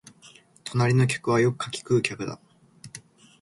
隣の客はよく柿喰う客だ